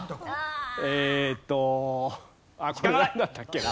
えーっとこれなんだったけな？